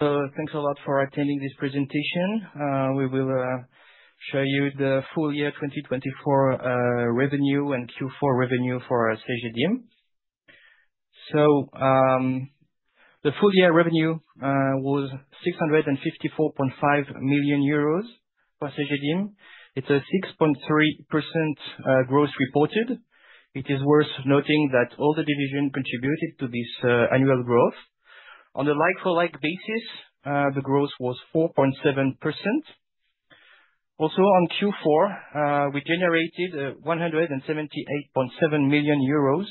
Thanks a lot for attending this presentation. We will show you the full year 2024 revenue and Q4 revenue for Cegedim. The full year revenue was 654.5 million euros for Cegedim. It's a 6.3% growth reported. It is worth noting that all the divisions contributed to this annual growth. On a like-for-like basis, the growth was 4.7%. Also, on Q4, we generated 178.7 million euros,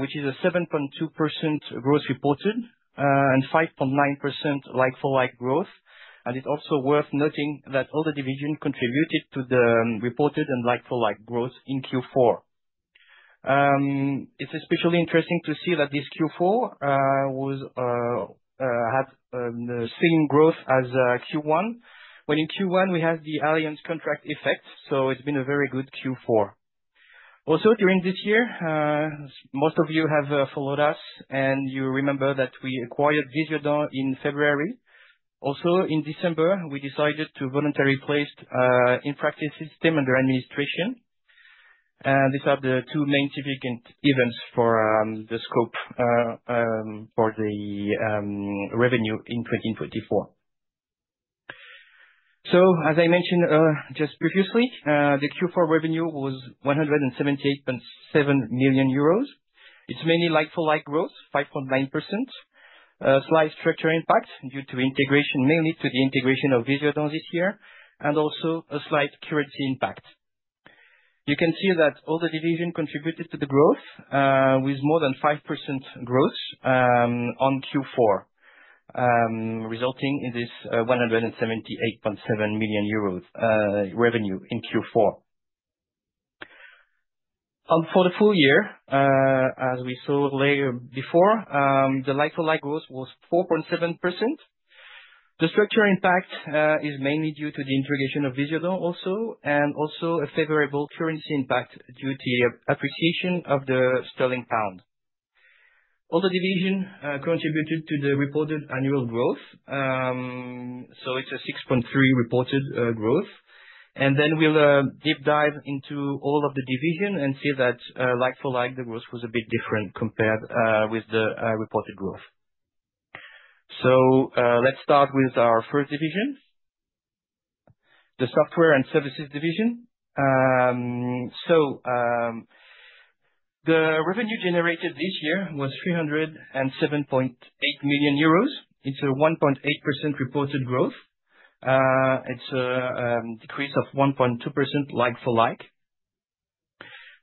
which is a 7.2% growth reported and 5.9% like-for-like growth. And it's also worth noting that all the divisions contributed to the reported and like-for-like growth in Q4. It's especially interesting to see that this Q4 had the same growth as Q1, when in Q1 we had the Allianz contract effect. So it's been a very good Q4. Also, during this year, most of you have followed us, and you remember that we acquired Visiodent in February. Also, in December, we decided to voluntarily place In Practice Systems under administration. These are the two main significant events for the scope for the revenue in 2024. So, as I mentioned just previously, the Q4 revenue was 178.7 million euros. It's mainly like-for-like growth, 5.9%, slight structural impact due to integration, mainly to the integration of Visiodent this year, and also a slight currency impact. You can see that all the divisions contributed to the growth with more than 5% growth on Q4, resulting in this 178.7 million euros revenue in Q4. For the full year, as we saw before, the like-for-like growth was 4.7%. The structural impact is mainly due to the integration of Visiodent also, and also a favorable currency impact due to the appreciation of the sterling pound. All the divisions contributed to the reported annual growth, so it's a 6.3% reported growth. Then we'll deep dive into all of the divisions and see that like-for-like the growth was a bit different compared with the reported growth. So let's start with our first division, the software and services division. So the revenue generated this year was 307.8 million euros. It's a 1.8% reported growth. It's a decrease of 1.2% like-for-like.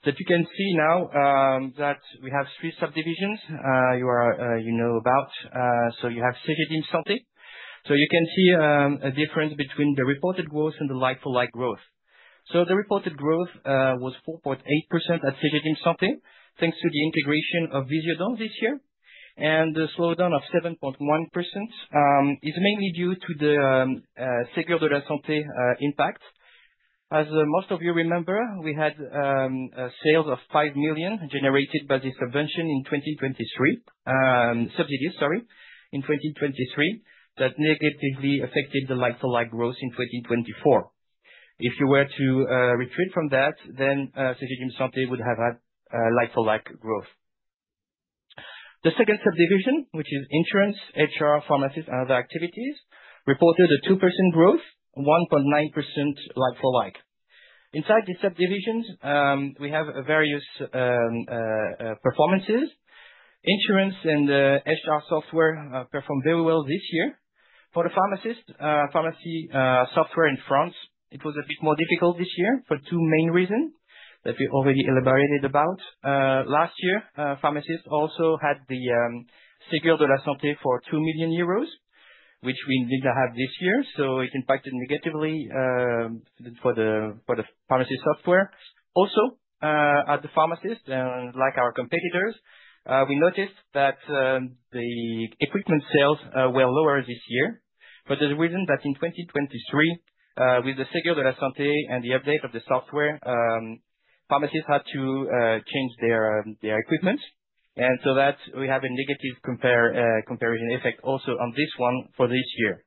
That you can see now that we have three subdivisions you know about. So you have Cegedim Santé. So you can see a difference between the reported growth and the like-for-like growth. So the reported growth was 4.8% at Cegedim Santé, thanks to the integration of Visiodent this year. And the slowdown of 7.1% is mainly due to the Ségur de la Santé impact. As most of you remember, we had sales of 5 million generated by the subvention in 2023, subsidies, sorry, in 2023 that negatively affected the like-for-like growth in 2024. If you were to retreat from that, then Cegedim Santé would have had like-for-like growth. The second subdivision, which is insurance, HR, pharmacists, and other activities, reported a 2% growth, 1.9% like-for-like. Inside the subdivisions, we have various performances. Insurance and HR software performed very well this year. For the pharmacists, pharmacy software in France, it was a bit more difficult this year for two main reasons that we already elaborated about. Last year, pharmacists also had the Ségur de la Santé for 2 million euros, which we didn't have this year, so it impacted negatively for the pharmacy software. Also, at the pharmacists, like our competitors, we noticed that the equipment sales were lower this year. But the reason that in 2023, with the Ségur de la Santé and the update of the software, pharmacists had to change their equipment, and so that we have a negative comparison effect also on this one for this year.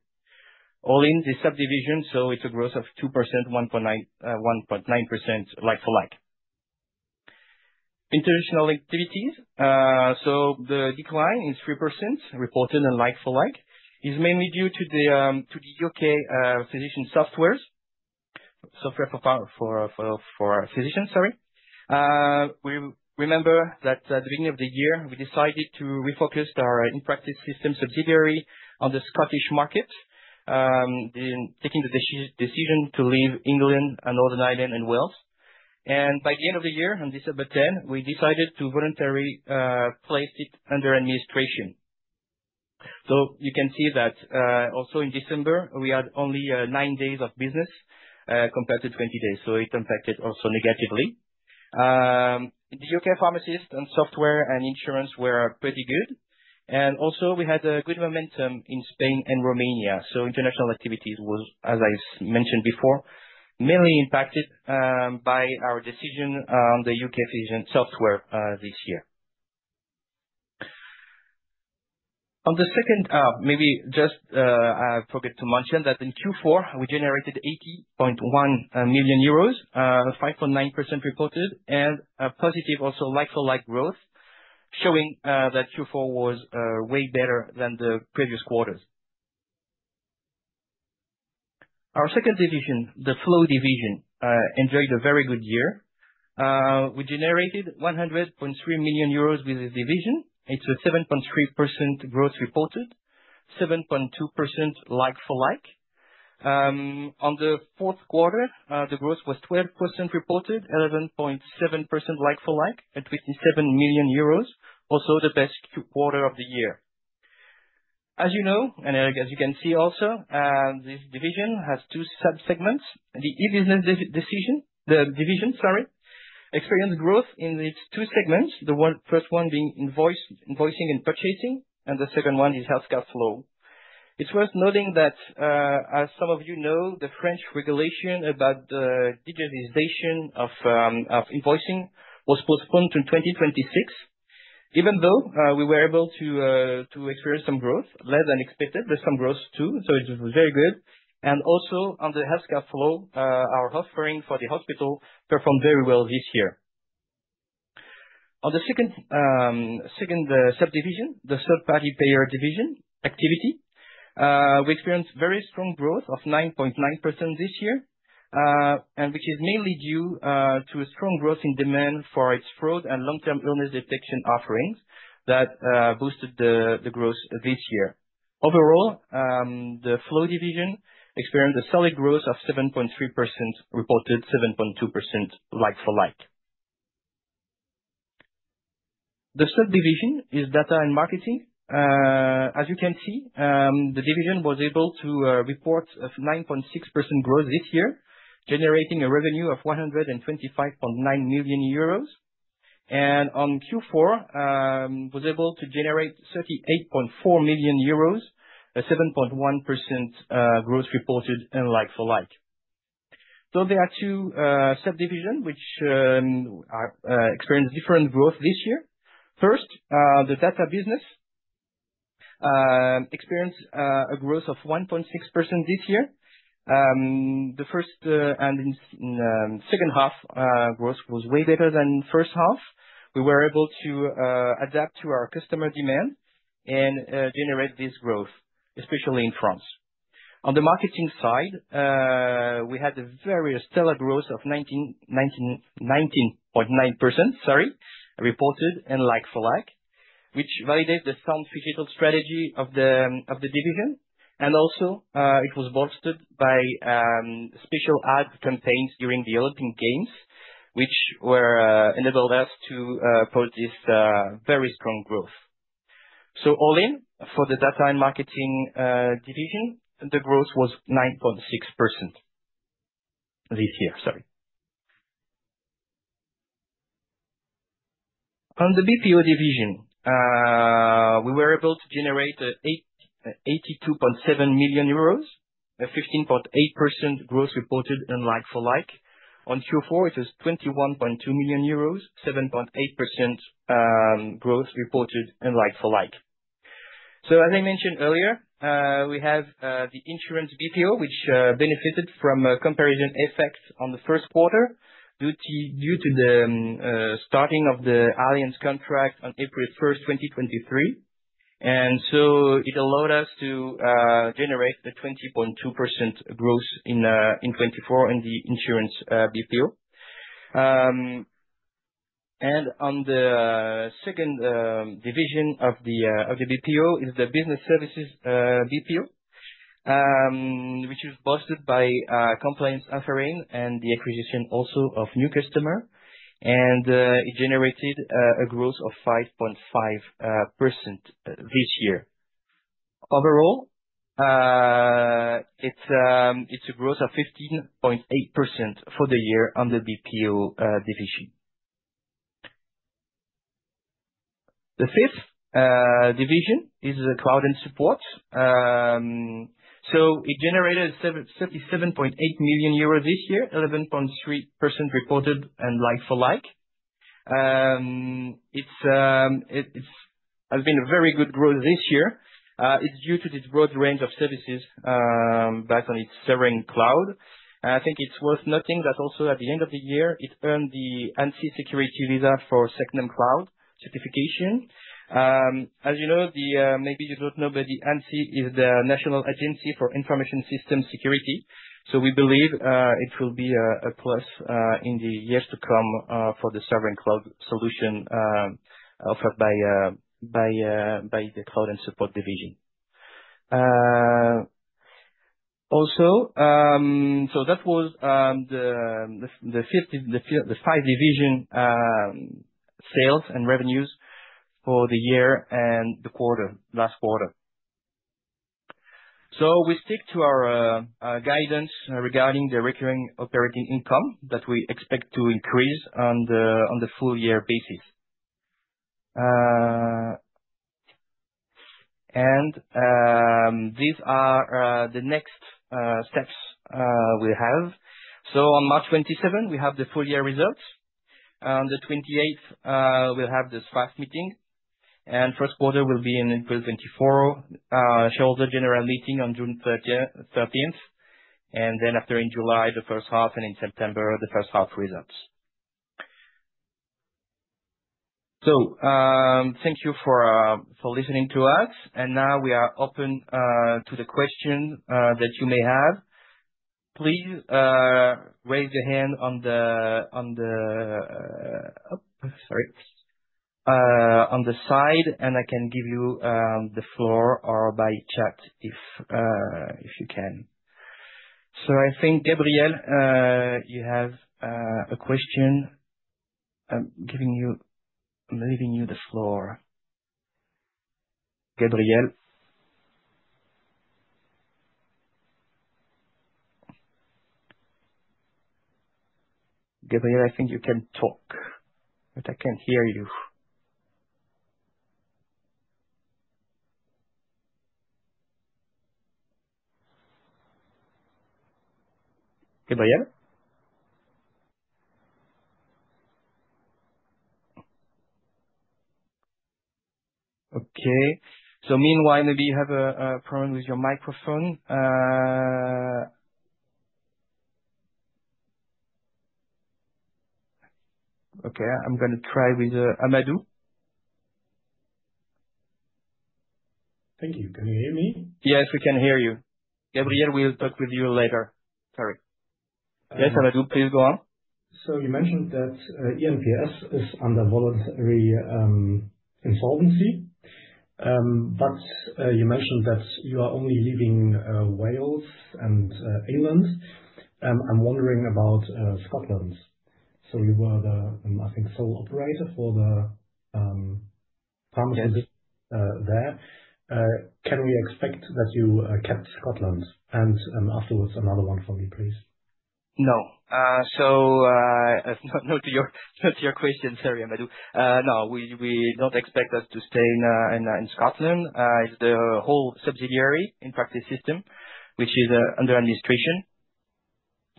All in the subdivision, so it's a growth of 2%, 1.9% like-for-like. International activities, so the decline is 3% reported in like-for-like. It's mainly due to the U.K. physician software, software for physicians, sorry. We remember that at the beginning of the year, we decided to refocus our In Practice Systems subsidiary on the Scottish market, taking the decision to leave England and Northern Ireland and Wales, and by the end of the year, on 10 December, we decided to voluntarily place it under administration, so you can see that also in December, we had only nine days of business compared to 20 days, so it impacted also negatively. The U.K. pharmacists and software and insurance were pretty good. And also, we had a good momentum in Spain and Romania. So international activities was, as I mentioned before, mainly impacted by our decision on the U.K. physician software this year. On the second, maybe just I forgot to mention that in Q4, we generated 80.1 million euros, 5.9% reported, and a positive also like-for-like growth, showing that Q4 was way better than the previous quarters. Our second division, the flow division, enjoyed a very good year. We generated 100.3 million euros with this division. It's a 7.3% growth reported, 7.2% like-for-like. On the Q4, the growth was 12% reported, 11.7% like-for-like, and 27 million euros, also the best quarter of the year. As you know, and as you can see also, this division has two subsegments. The e-business division, sorry, experienced growth in its two segments, the first one being invoicing and purchasing, and the second one is healthcare flow. It's worth noting that, as some of you know, the French regulation about the digitization of invoicing was postponed to 2026, even though we were able to experience some growth, less than expected, but some growth too. So it was very good. And also, on the healthcare flow, our offering for the hospital performed very well this year. On the second subdivision, the third-party payer division activity, we experienced very strong growth of 9.9% this year, which is mainly due to strong growth in demand for its fraud and long-term illness detection offerings that boosted the growth this year. Overall, the flow division experienced a solid growth of 7.3% reported, 7.2% like-for-like. The subdivision is data and marketing. As you can see, the division was able to report a 9.6% growth this year, generating a revenue of 125.9 million euros, and on Q4 was able to generate 38.4 million euros, a 7.1% growth reported in like-for-like, so there are two subdivisions which experienced different growth this year. First, the data business experienced a growth of 1.6% this year. The first and second half growth was way better than the first half. We were able to adapt to our customer demand and generate this growth, especially in France. On the marketing side, we had a very stellar growth of 19.9%, sorry, reported in like-for-like, which validates the sound phygital strategy of the division, and also it was bolstered by special ad campaigns during the Olympic Games, which enabled us to post this very strong growth, so all in, for the data and marketing division, the growth was 9.6% this year, sorry. On the BPO division, we were able to generate 82.7 million euros, a 15.8% growth reported in like-for-like. On Q4, it was EUR 21.2 million, 7.8% growth reported in like-for-like. So, as I mentioned earlier, we have the insurance BPO, which benefited from a comparison effect on the Q1 due to the starting of the Allianz contract on 1 April 2023. And so it allowed us to generate a 20.2% growth in 24 in the insurance BPO. And on the second division of the BPO is the business services BPO, which is bolstered by compliance offering and the acquisition also of new customers. And it generated a growth of 5.5% this year. Overall, it's a growth of 15.8% for the year on the BPO division. The fifth division is cloud and support. So it generated 37.8 million euros this year, 11.3% reported in like-for-like. It has been a very good growth this year. It's due to this broad range of services back on its Sovereign Cloud. I think it's worth noting that also at the end of the year, it earned the ANSSI SecNumCloud certification. As you know, maybe you don't know, but the ANSSI is the National Agency for Information Systems Security. So we believe it will be a plus in the years to come for the Sovereign Cloud solution offered by the Cloud & Support division. Also, so that was the five divisions' sales and revenues for the year and the last quarter. We stick to our guidance regarding the recurring operating income that we expect to increase on the full-year basis. These are the next steps we have. On March 27, we have the full-year results. On the 28th, we'll have the SFAF meeting. And Q1 will be in April 2024, shareholder general meeting on 13 June. And then after in July, the first half, and in September, the first half results. So thank you for listening to us. And now we are open to the question that you may have. Please raise your hand on the side, and I can give you the floor or by chat if you can. So I think, Gabriel, you have a question. I'm giving you the floor. Gabriel. Gabriel, I think you can talk, but I can't hear you. Gabriel? Okay. So meanwhile, maybe you have a problem with your microphone. Okay, I'm going to try with Amadou. Thank you. Can you hear me? Yes, we can hear you. Gabriel, we'll talk with you later. Sorry. Yes, Amadou, please go on. So you mentioned that IPS is under voluntary insolvency, but you mentioned that you are only leaving Wales and England. I'm wondering about Scotland. So you were the, I think, sole operator for the pharmacy business there. Can we expect that you kept Scotland? And afterwards, another one for me, please. No. So no to your question, sorry, Amadou. No, we don't expect us to stay in Scotland. It's the whole subsidiary In Practice Systems, which is under administration.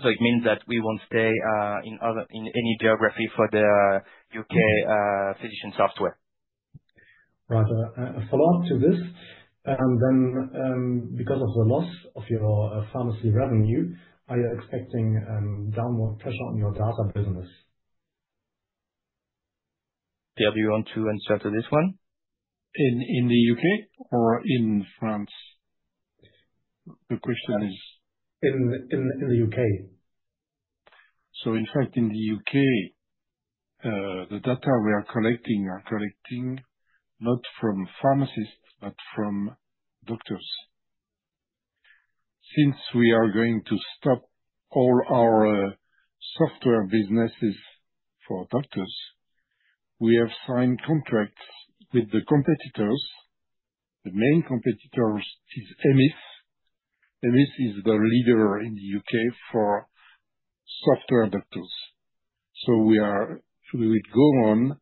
So it means that we won't stay in any geography for the U.K. physician software. Right. A follow-up to this. Then, because of the loss of your pharmacy revenue, are you expecting downward pressure on your data business? Gabriel, do you want to answer to this one? In the UK or in France? The question is. In the UK. So in fact, in the UK, the data we are collecting not from pharmacists, but from doctors. Since we are going to stop all our software businesses for doctors, we have signed contracts with the competitors. The main competitor is EMIS. EMIS is the leader in the UK for software doctors. So we would go on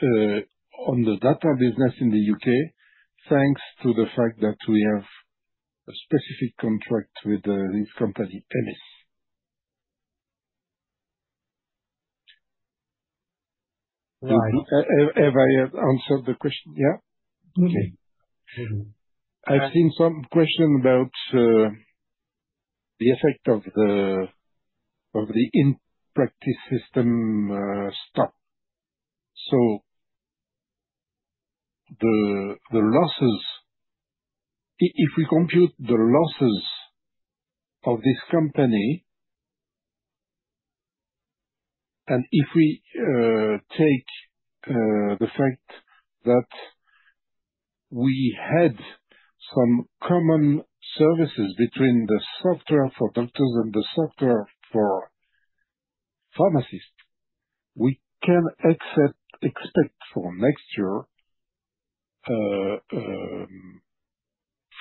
the data business in the UK thanks to the fact that we have a specific contract with this company, EMIS. Have I answered the question? Yeah? Okay. I've seen some questions about the effect of the In Practice system stop. So the losses, if we compute the losses of this company, and if we take the fact that we had some common services between the software for doctors and the software for pharmacists, we can expect for next year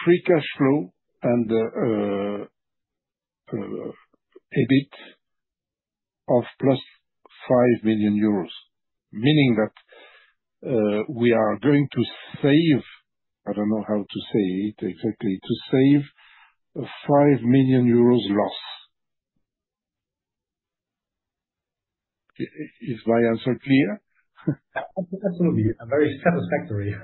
free cash flow and EBIT of plus 5 million euros, meaning that we are going to save, I don't know how to say it exactly, to save EUR 5 million loss. Is my answer clear? Absolutely. Very satisfactory.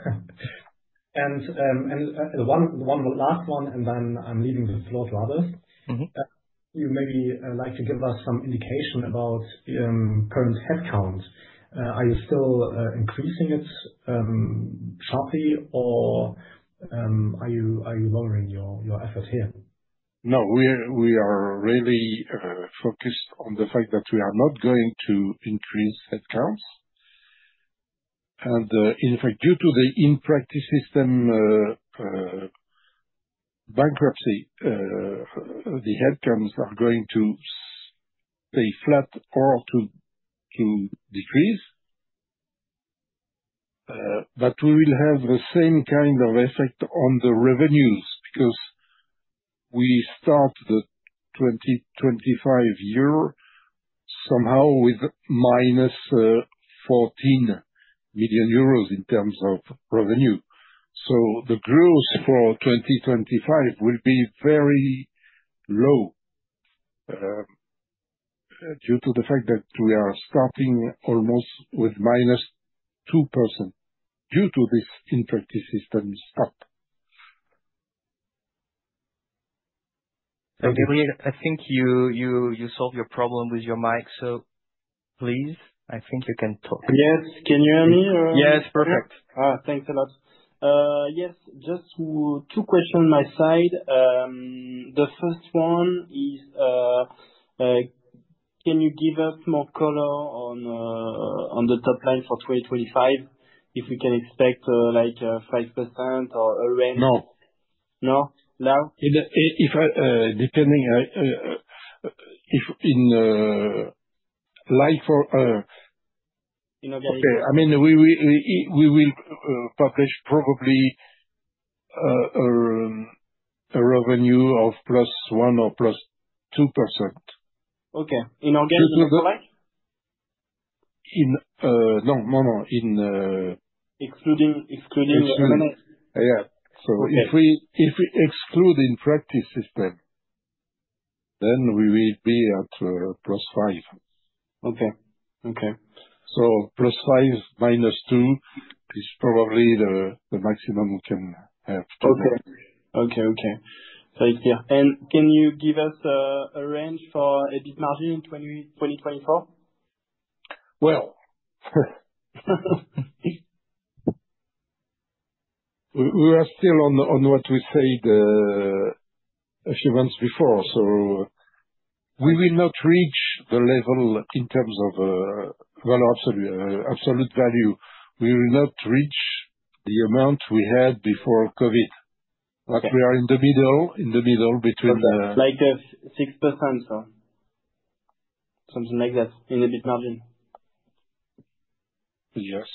And the last one, and then I'm leaving the floor to others. You maybe like to give us some indication about current headcount. Are you still increasing it sharply, or are you lowering your effort here? No, we are really focused on the fact that we are not going to increase headcounts. And in fact, due to the In Practice Systems bankruptcy, the headcounts are going to stay flat or to decrease. But we will have the same kind of effect on the revenues because we start the 2025 year somehow with minus 14 million euros in terms of revenue. So the growth for 2025 will be very low due to the fact that we are starting almost with minus 2% due to this In Practice Systems stop. Gabriel, I think you solved your problem with your mic, so please, I think you can talk. Yes. Can you hear me? Yes. Perfect. Thanks a lot. Yes, just two questions on my side. The first one is, can you give us more color on the top line for 2025 if we can expect 5% or around? No. No? Now? Depending on like-for-like. In organic? Okay. I mean, we will publish probably a revenue of plus 1% or plus 2%. Okay. In organic and No, no, no. In. Excluding revenue. Yeah. So if we exclude In Practice Systems, then we will be at plus 5. Okay. Okay. So plus five minus two is probably the maximum we can have today. Okay. Very clear. And can you give us a range for EBIT margin in 2024? We are still on what we said a few months before. We will not reach the level in terms of absolute value. We will not reach the amount we had before COVID. We are in the middle between the. Like 6% or something like that in EBIT margin? Yes.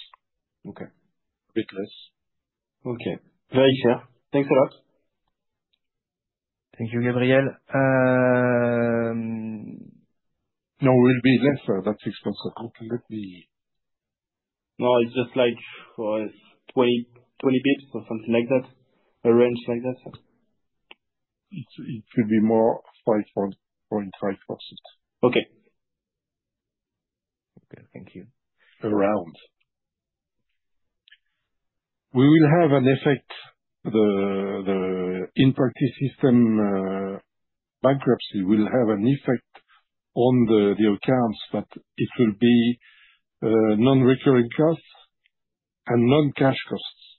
Okay. A bit less. Okay. Very clear. Thanks a lot. Thank you, Gabriel. No, it will be less than 6%. Let me. No, it's just like 20 basis points or something like that, a range like that. It will be more 5.5%. Okay. Okay. Thank you. We will have an effect. The In Practice Systems bankruptcy will have an effect on the accounts, but it will be non-recurring costs and non-cash costs.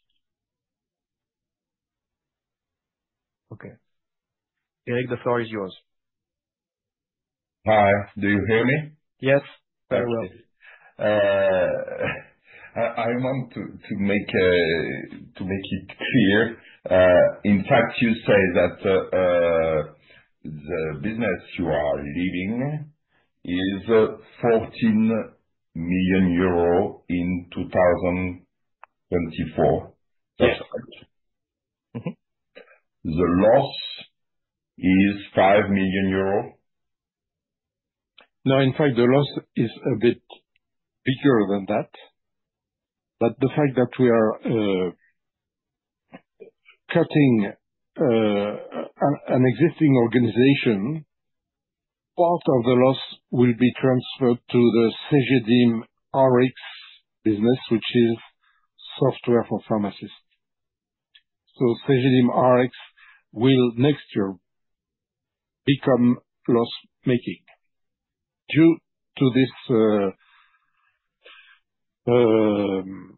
Okay. Eric, the floor is yours. Hi. Do you hear me? Yes. Very well. I want to make it clear. In fact, you say that the business you are leaving is EUR14 million in 2024. That's right? Yes. The loss is 5 million euros? No, in fact, the loss is a bit bigger than that. But the fact that we are cutting an existing organization, part of the loss will be transferred to the Cegedim Rx business, which is software for pharmacists. So Cegedim Rx will next year become loss-making due to this cutting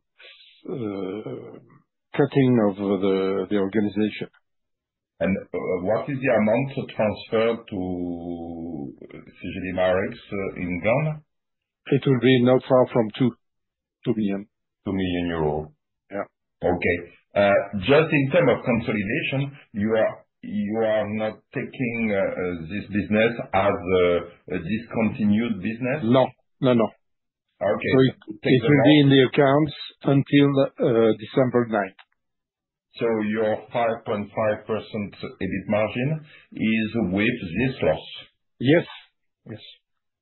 of the organization. What is the amount to transfer to Cegedim Rx in Ghana? It will be not far from two million. 2 million. Yeah. Okay. Just in terms of consolidation, you are not taking this business as a discontinued business? No. No, no. Okay. So it will be in the accounts until December 9th. So your 5.5% EBIT margin is with this loss? Yes. Yes.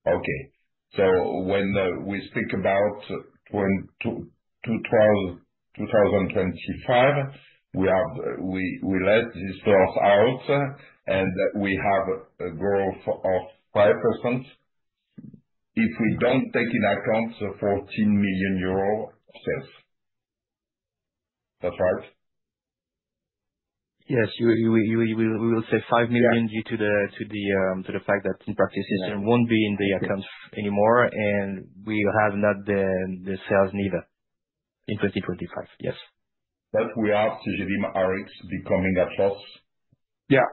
Okay. So when we speak about 2025, we let this loss out, and we have a growth of 5% if we don't take in account the 14 million euro sales. That's right? Yes. We will say 5 million due to the fact that In Practice Systems won't be in the accounts anymore, and we have not the sales neither in 2025. Yes. But we have Cegedim Rx becoming a trust? Yeah,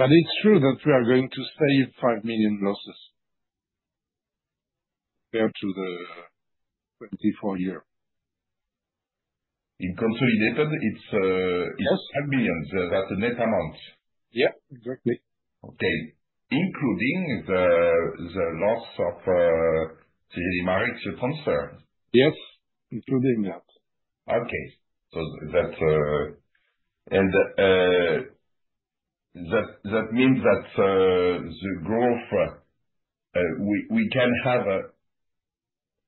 but it's true that we are going to save 5 million losses compared to the 2024 year. In consolidated, it's 5 million. That's a net amount. Yeah. Exactly. Okay. Including the loss of Cegedim Rx transfer? Yes. Including that. Okay. And that means that the growth we can have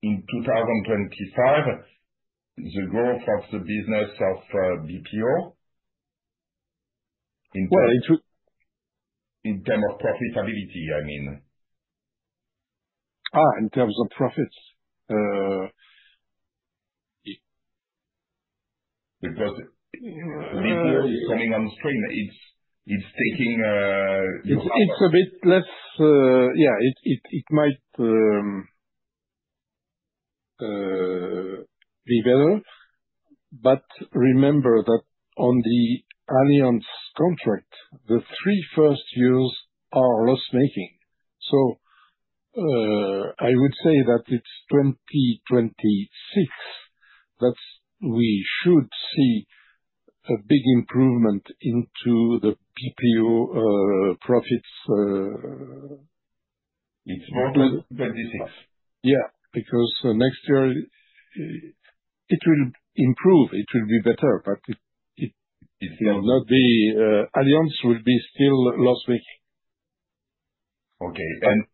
in 2025, the growth of the business of BPO? Well, it will. In terms of profitability, I mean. In terms of profits? Because BPO is coming on stream. It's taking your. It's a bit less. Yeah. It might be better. But remember that on the Allianz contract, the three first years are loss-making. So I would say that it's 2026 that we should see a big improvement into the BPO profits. In 2026? Yeah. Because next year, it will improve. It will be better, but it will not be. Allianz will be still loss-making. Okay. And.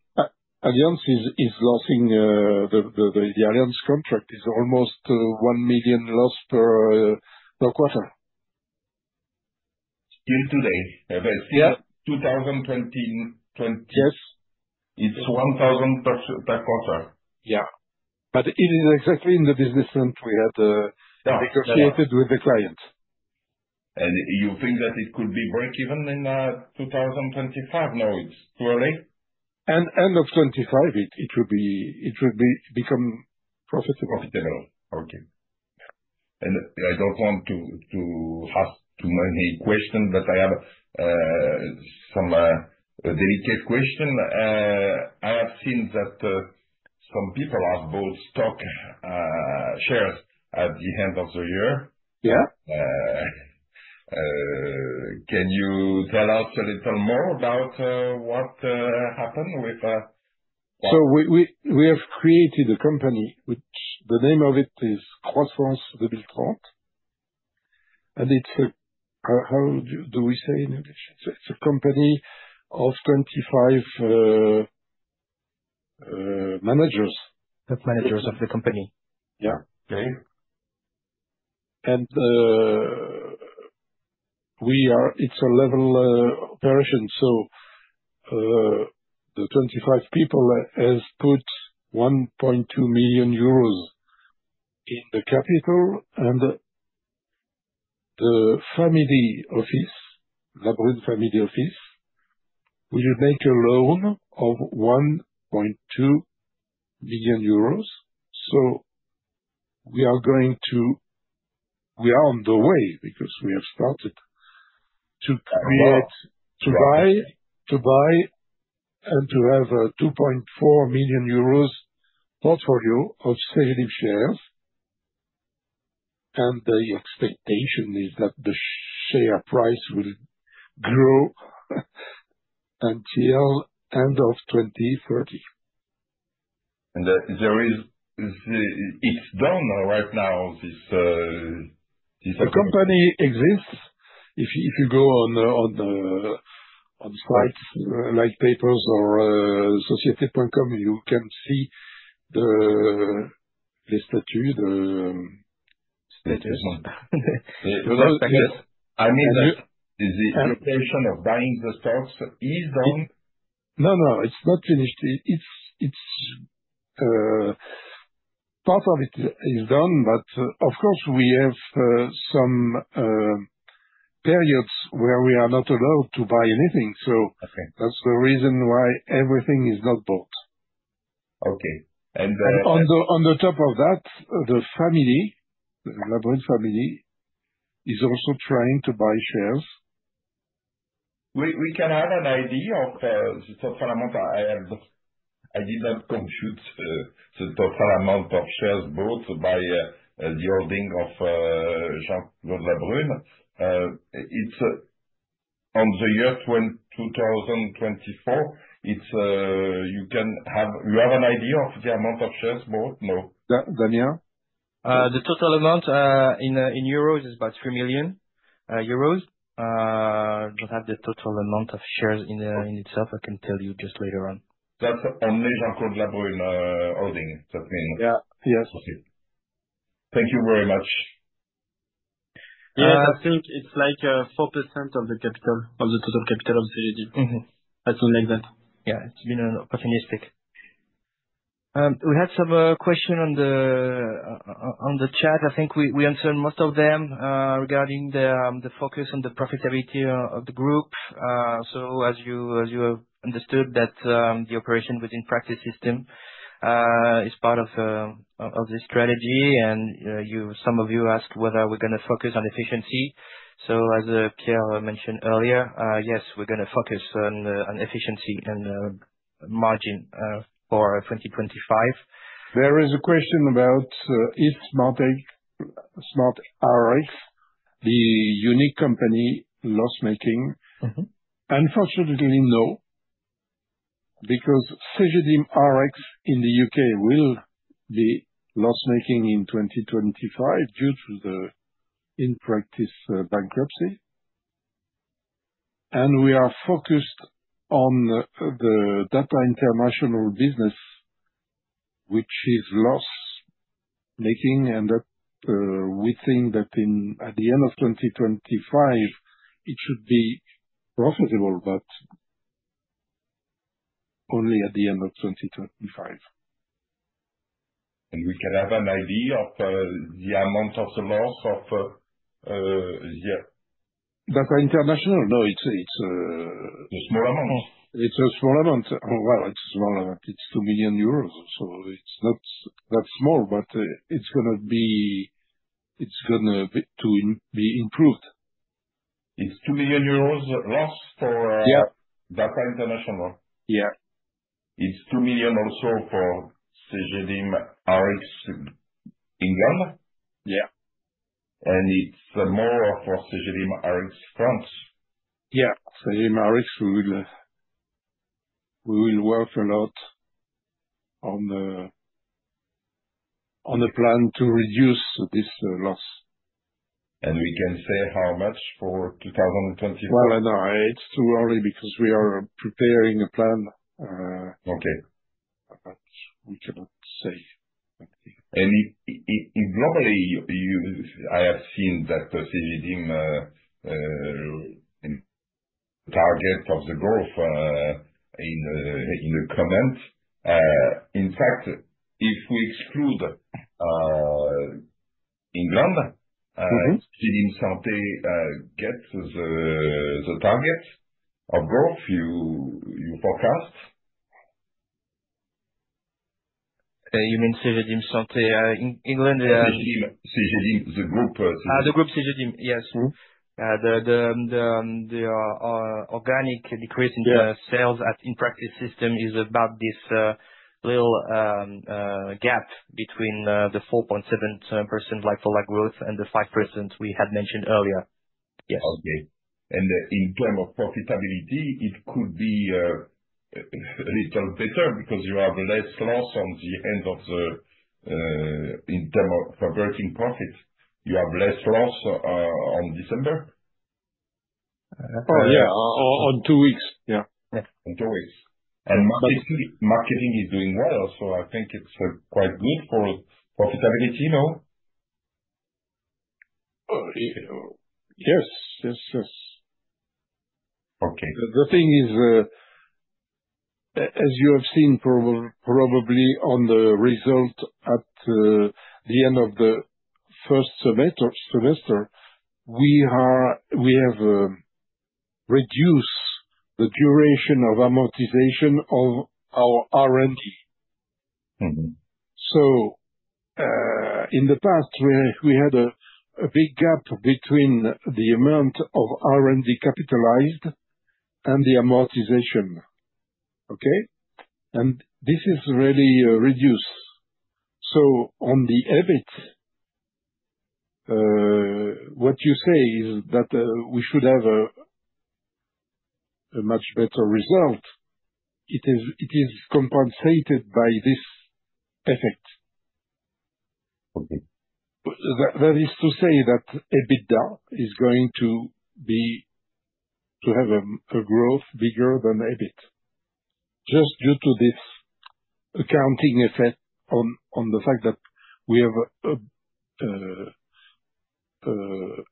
Allianz is losing. The Allianz contract is almost 1 million loss per quarter. Still today, but still 2020. Yes. It's 1,000 per quarter. Yeah, but it is exactly in the business plan we had negotiated with the client. You think that it could be break-even in 2025? No, it's too early. End of 2025, it will become profitable. Profitable. Okay. And I don't want to ask too many questions, but I have some delicate questions. I have seen that some people have bought stock shares at the end of the year. Can you tell us a little more about what happened with? We have created a company, which the name of it is Croissance 2030. And it's a, how do we say in English? It's a company of 25 managers. 25 managers of the company. Yeah. And it's a level operation. So the 25 people have put 1.2 million euros in the capital. And the family office, Labrune Family Office, will make a loan of 1.2 million euros. So we are on the way because we have started to create, to buy, and to have a 2.4 million euros portfolio of Cegedim shares. And the expectation is that the share price will grow until end of 2030. It's done right now, this? The company exists. If you go on sites like Pappers or Societe.com, you can see the status. Status? Status. I mean, the location of buying the stocks is done? No, no. It's not finished. Part of it is done, but of course, we have some periods where we are not allowed to buy anything. So that's the reason why everything is not bought. Okay. And. On top of that, the family, the Labrune family, is also trying to buy shares. We can have an idea of the total amount. I did not compute the total amount of shares bought by the holding of Jean-Claude Labrune. On the year 2024, you have an idea of the amount of shares bought? No. Daniel? The total amount in EUR is about 3 million euros. I don't have the total amount of shares in itself. I can tell you just later on. That's only Jean-Claude Labrune holding, that means. Yeah. Yes. Okay. Thank you very much. Yeah. I think it's like 4% of the capital, of the total capital of Cegedim. Something like that. Yeah. It's been opportunistic. We had some questions on the chat. I think we answered most of them regarding the focus on the profitability of the group. As you have understood, the operation within In Practice Systems is part of the strategy. Some of you asked whether we're going to focus on efficiency. As Pierre mentioned earlier, yes, we're going to focus on efficiency and margin for 2025. There is a question about if Smart Rx, the UK company, [is] loss-making. Unfortunately, no, because Cegedim Rx in the UK will be loss-making in 2025 due to the In Practice bankruptcy. We are focused on the data international business, which is loss-making. We think that at the end of 2025, it should be profitable, but only at the end of 2025. And we can have an idea of the amount of the loss of. Data international? No, it's. A small amount. It's a small amount. Well, it's a small amount. It's 2 million euros. So it's not that small, but it's going to be. It's going to be improved. It's two million euros loss for Data International. Yeah. It's 2 million also for Cegedim Rx in Ghana? Yeah. It's more for Cegedim Rx France? Yeah. Cegedim Rx will work a lot on the plan to reduce this loss. We can say how much for 2025? I know. It's too early because we are preparing a plan. Okay. But we cannot say anything. Normally, I have seen that Cegedim target of the growth in the comments. In fact, if we exclude England, Cegedim Santé gets the target of growth you forecast? You mean Cegedim Santé England? Cegedim, the group. The group Cegedim, yes. The organic decrease in sales in In Practice Systems is about this little gap between the 4.7% like-for-like growth and the 5% we had mentioned earlier. Yes. Okay, and in terms of profitability, it could be a little better because you have less loss on the end of the—in terms of operating profit, you have less loss on December? Oh, yeah. In two weeks. Yeah. In two weeks. And marketing is doing well. So I think it's quite good for profitability, no? Yes. Yes. Yes. Okay. The thing is, as you have seen probably on the result at the end of the first semester, we have reduced the duration of amortization of our R&D. So in the past, we had a big gap between the amount of R&D capitalized and the amortization. Okay? And this is really reduced. So on the EBIT, what you say is that we should have a much better result. It is compensated by this effect. That is to say that EBITDA is going to have a growth bigger than EBIT, just due to this accounting effect on the fact that we have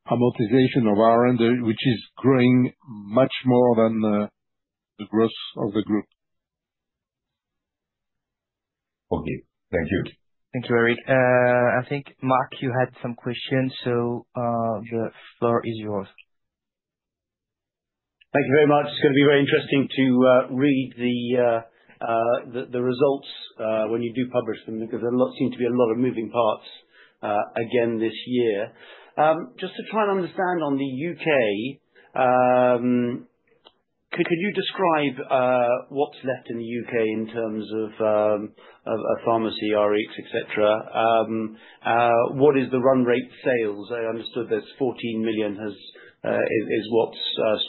amortization of R&D, which is growing much more than the growth of the group. Okay. Thank you. Thank you, Eric. I think, Mark, you had some questions. So the floor is yours. Thank you very much. It's going to be very interesting to read the results when you do publish them because there seem to be a lot of moving parts again this year. Just to try and understand on the U.K., could you describe what's left in the U.K. in terms of pharmacy, RX, etc.? What is the run rate sales? I understood that 14 million is what's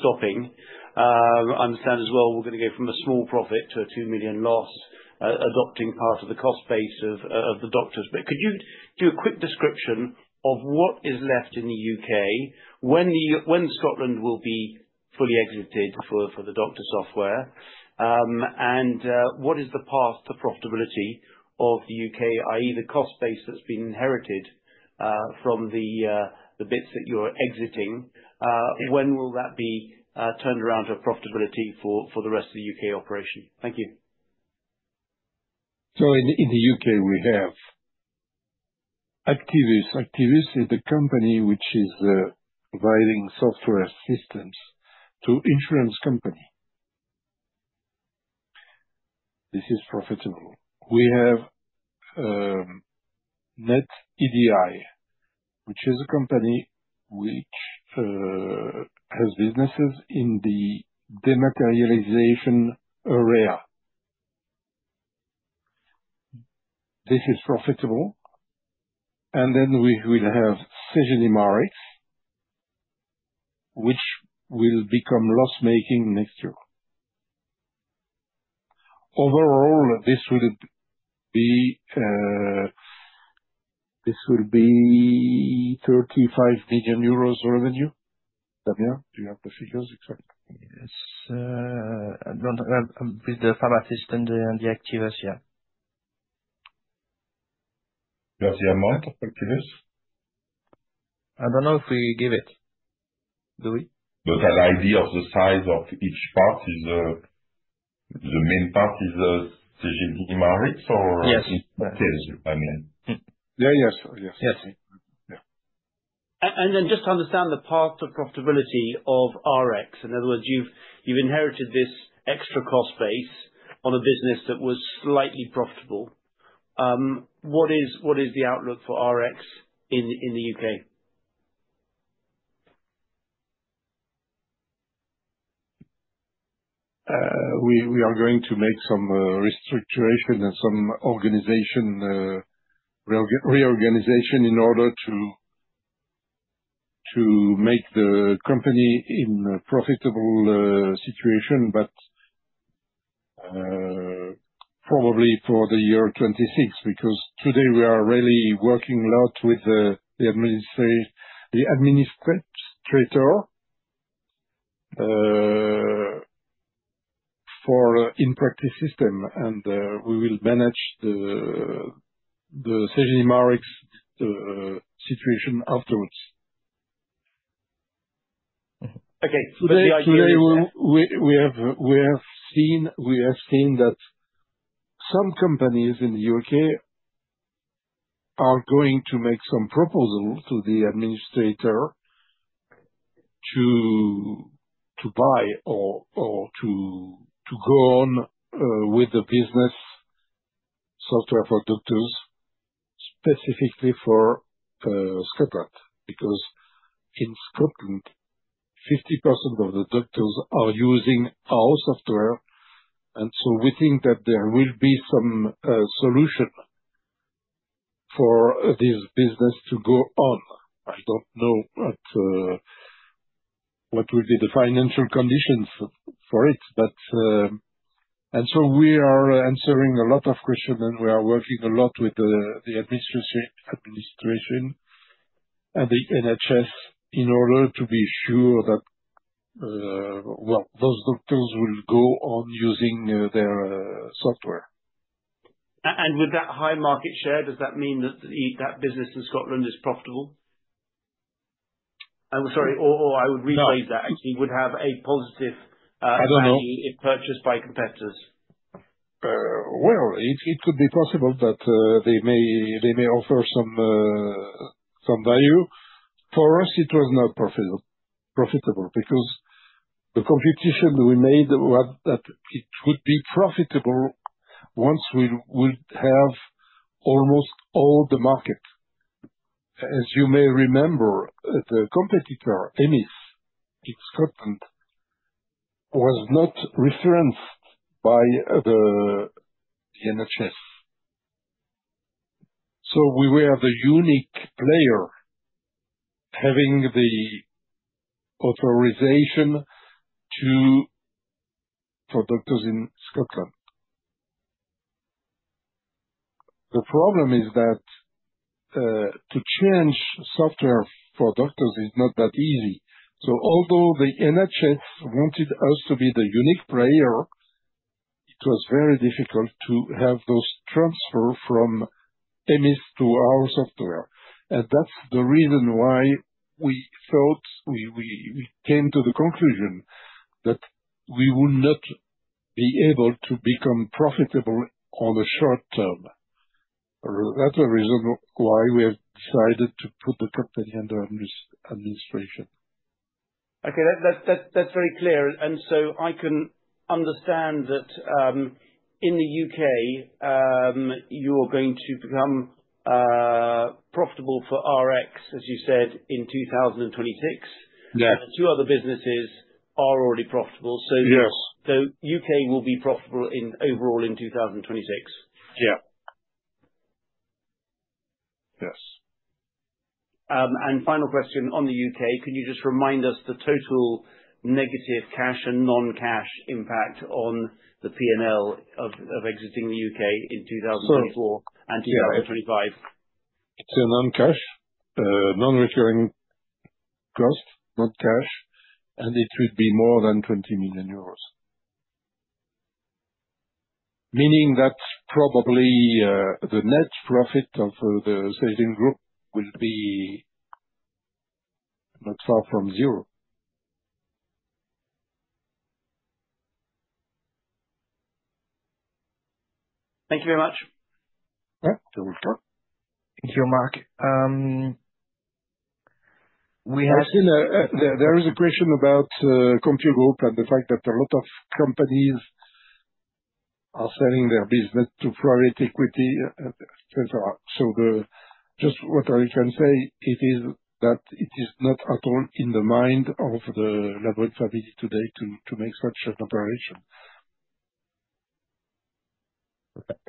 stopping. I understand as well we're going to go from a small profit to a 2 million loss, adopting part of the cost base of the doctors. But could you do a quick description of what is left in the U.K. when Scotland will be fully exited for the doctor software? And what is the path to profitability of the U.K., i.e., the cost base that's been inherited from the bits that you're exiting? When will that be turned around to profitability for the rest of the UK operation? Thank you. In the UK, we have Activus. Activus is a company which is providing software systems to insurance companies. This is profitable. We have NetEDI, which is a company which has businesses in the dematerialization area. This is profitable. Then we will have Cegedim Rx, which will become loss-making next year. Overall, this will be EUR 35 million revenue. Daniel, do you have the figures exactly? Yes. With the pharmacist and the Activus, yeah. You have the amount of Activus? I don't know if we give it. Do we? An idea of the size of each part is the main part is Cegedim Rx, our incentives, I mean. Yes. Yeah. Yes. Yes. Yes. And then just to understand the path to profitability of RX, in other words, you've inherited this extra cost base on a business that was slightly profitable. What is the outlook for RX in the U.K.? We are going to make some restructuring and some reorganization in order to make the company in a profitable situation, but probably for the year 2026 because today we are really working a lot with the administrator for In Practice Systems, and we will manage the Cegedim Rx situation afterwards. Okay, but the idea is to. Today, we have seen that some companies in the U.K. are going to make some proposal to the administrator to buy or to go on with the business software for doctors specifically for Scotland because in Scotland, 50% of the doctors are using our software, and so we think that there will be some solution for this business to go on. I don't know what will be the financial conditions for it, and so we are answering a lot of questions, and we are working a lot with the administration and the NHS in order to be sure that, well, those doctors will go on using their software. With that high market share, does that mean that that business in Scotland is profitable? Sorry, or I would rephrase that. Actually, would have a positive value if purchased by competitors? It could be possible that they may offer some value. For us, it was not profitable because the competition we made was that it would be profitable once we would have almost all the market. As you may remember, the competitor, EMIS, in Scotland, was not referenced by the NHS. So we were the unique player having the authorization for doctors in Scotland. The problem is that to change software for doctors is not that easy. So although the NHS wanted us to be the unique player, it was very difficult to have those transfer from EMIS to our software. And that's the reason why we thought we came to the conclusion that we will not be able to become profitable on the short term. That's the reason why we have decided to put the company under administration. Okay. That's very clear. And so I can understand that in the U.K., you are going to become profitable for RX, as you said, in 2026. And the two other businesses are already profitable. So the U.K. will be profitable overall in 2026. Yeah. Yes. Final question on the U.K. Can you just remind us the total negative cash and non-cash impact on the P&L of exiting the U.K. in 2024 and 2025? It's a non-cash, non-recurring cost, not cash, and it would be more than 20 million euros, meaning that probably the net profit of the Cegedim Group will be not far from zero. Thank you very much. You're welcome. Thank you, Mark. We have. There is a question about CompuGroup Medical and the fact that a lot of companies are selling their business to private equity, etc. Just what I can say is that it is not at all in the mind of the Labrune family today to make such an operation. Perfect.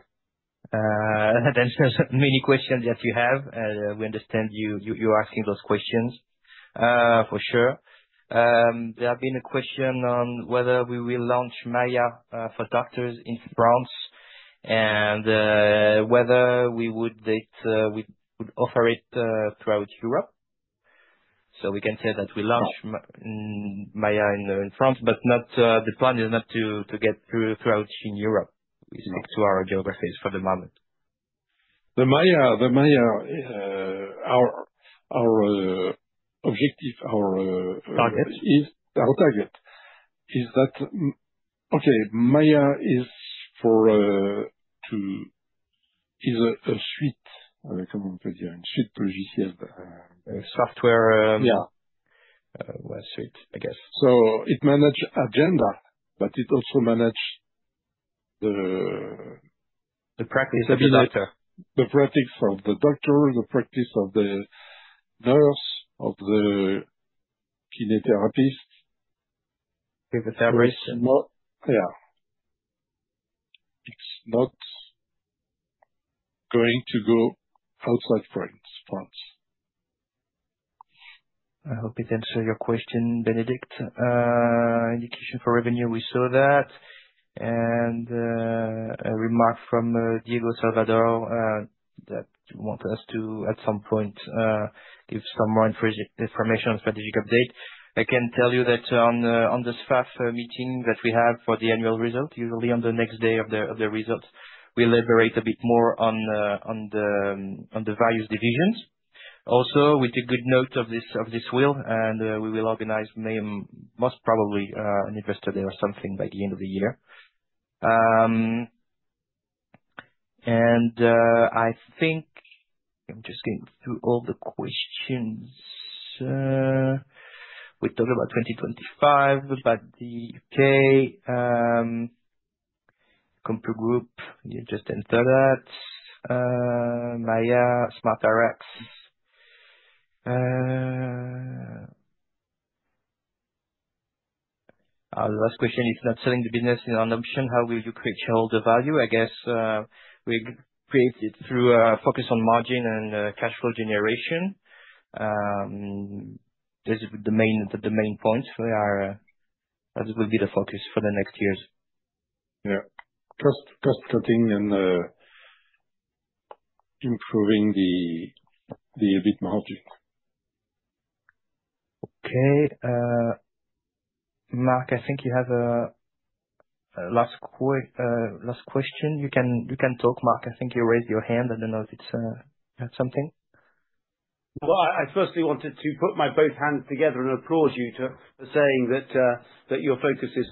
That's many questions that you have. We understand you're asking those questions, for sure. There have been a question on whether we will launch Maiia for doctors in France and whether we would offer it throughout Europe. So we can say that we launch Maiia in France, but the plan is not to get throughout Europe. We stick to our geographies for the moment. The Maiia, our objective, our target is that, okay, Maiia is a suite, how can I put it, a suite logic? Software. Yeah. Well, suite, I guess. So it manages agenda, but it also manages the. The practice of the doctor. The practice of the doctor, the practice of the nurse, of the kinetotherapist. With the fabric. Yeah. It's not going to go outside France. I hope it answered your question, Benedict. Indication for revenue, we saw that. A remark from Diego Salvador that want us to, at some point, give some more information on strategic update. I can tell you that on the SFAF meeting that we have for the annual result, usually on the next day of the result, we elaborate a bit more on the various divisions. Also, with a good note of this will, we will organize most probably an investor day or something by the end of the year. I think I'm just going through all the questions. We talked about 2025, but the UK, CompuGroup, you just entered that. Maiia, Smart Rx. The last question is not selling the business in an option. How will you create all the value? I guess we create it through a focus on margin and cash flow generation. Those are the main points. That will be the focus for the next years. Yeah. Cost-cutting and improving the EBIT margin. Okay. Mark, I think you have a last question. You can talk, Mark. I think you raised your hand. I don't know if it's something. I firstly wanted to put my both hands together and applaud you for saying that your focus is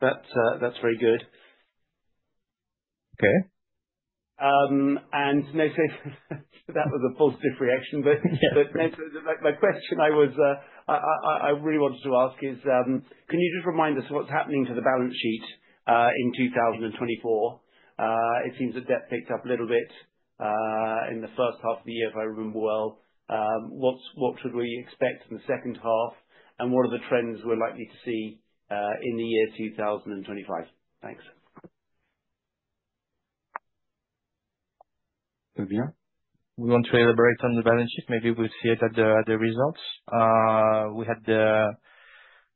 that's very good. Okay. That was a positive reaction. But my question I really wanted to ask is, can you just remind us of what's happening to the balance sheet in 2024? It seems that debt picked up a little bit in the first half of the year, if I remember well. What should we expect in the second half? And what are the trends we're likely to see in the year 2025? Thanks. We want to elaborate on the balance sheet. Maybe we'll see it at the results. Also,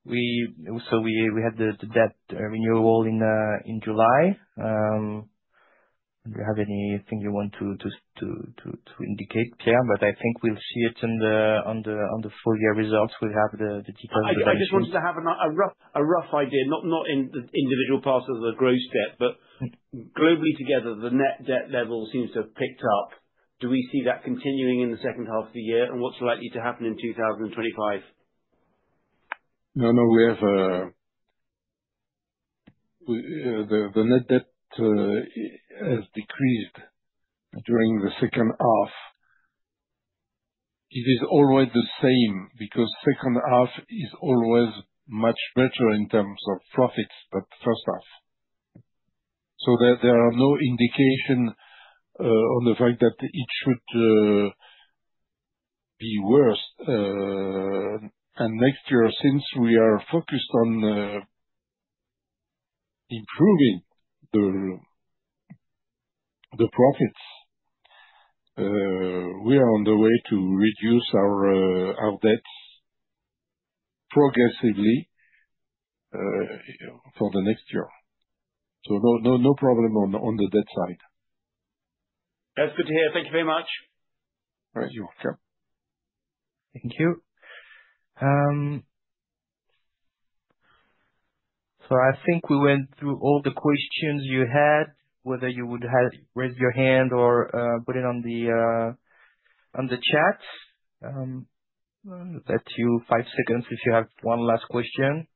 we had the debt renewal in July. Do you have anything you want to indicate, Pierre? But I think we'll see it on the full year results. We'll have the details. I just wanted to have a rough idea, not in the individual parts of the gross debt, but globally together, the net debt level seems to have picked up. Do we see that continuing in the second half of the year? And what's likely to happen in 2025? No, no. The net debt has decreased during the second half. It is always the same because the second half is always much better in terms of profits than the first half. So there are no indications on the fact that it should be worse. And next year, since we are focused on improving the profits, we are on the way to reduce our debts progressively for the next year. So no problem on the debt side. That's good to hear. Thank you very much. You're welcome. Thank you, so I think we went through all the questions you had, whether you would raise your hand or put it on the chat. I'll let you five seconds if you have one last question.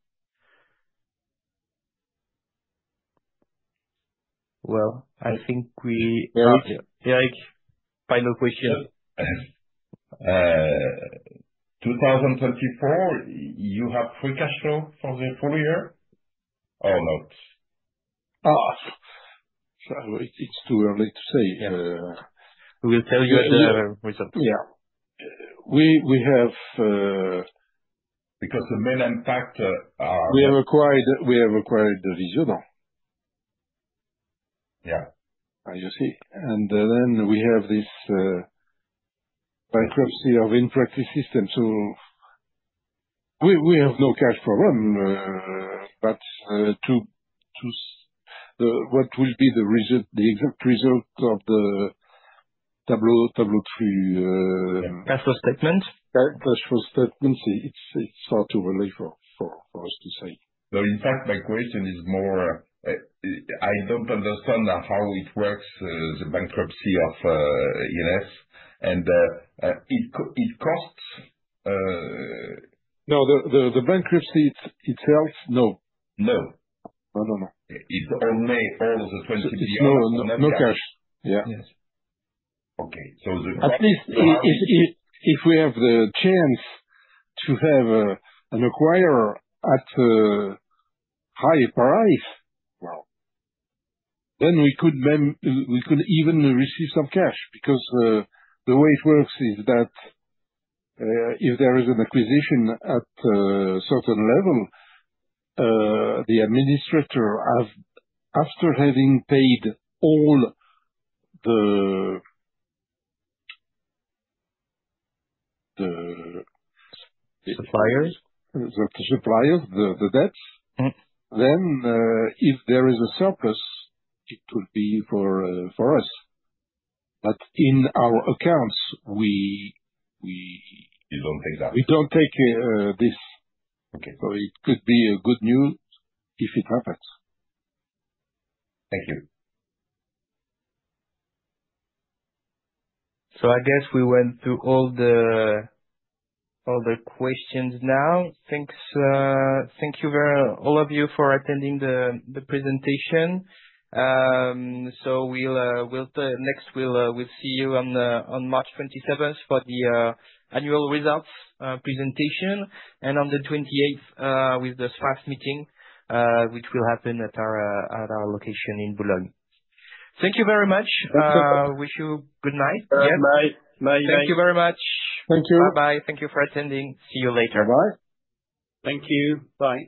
I think we are ready. Eric. Eric, final question. 2024, you have Free Cash Flow for the full year or not? It's too early to say. We will tell you at the result. Yeah. We have because the main impact are. We have acquired the Vision. Yeah. You see? And then we have this bankruptcy of In Practice Systems. So we have no cash problem. But what will be the exact result of Table 3? Cash flow statement? Cash flow statement, it's far too early for us to say. No, in fact, my question is more, I don't understand how it works, the bankruptcy of IPS. And it costs. No, the bankruptcy itself, no. No. No, no, no. It's only all the 20 billion? It's no cash. Yeah. Okay. So the. At least if we have the chance to have an acquirer at a high price, then we could even receive some cash because the way it works is that if there is an acquisition at a certain level, the administrator, after having paid all the. Suppliers. The suppliers, the debts, then if there is a surplus, it would be for us. But in our accounts, we. You don't take that. We don't take this, so it could be good news if it happens. Thank you. So I guess we went through all the questions now. Thank you all of you for attending the presentation. So next, we'll see you on March 27 for the annual results presentation and on the 28th with the SFAF meeting, which will happen at our location in Boulogne. Thank you very much. Wish you good night. Good night. Thank you very much. Thank you. Bye-bye. Thank you for attending. See you later. Bye-bye. Thank you. Bye.